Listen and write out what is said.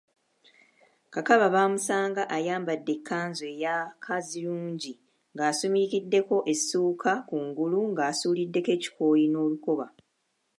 Kakaba baamusanga ayambadde ekkanzu eya Kaazirungi ng’asumikiddeko essuuka kungulu ng’asuuliddeko ekikooyi n’olukoba.